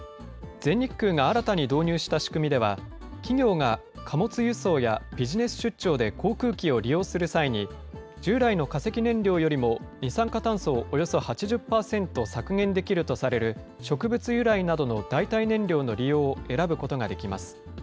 全日空が新たに導入した仕組みでは、企業が貨物輸送やビジネス出張で航空機を利用する際に、従来の化石燃料よりも二酸化炭素をおよそ８０％削減できるとされる、植物由来などの代替燃料の利用を選ぶことができます。